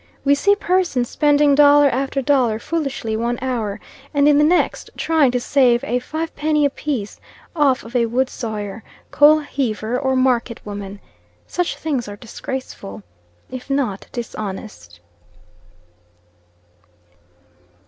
We see persons spending dollar after dollar foolishly one hour, and in the next trying to save a five penny piece off of a wood sawyer, coal heaver, or market woman. Such things are disgraceful, if not dishonest.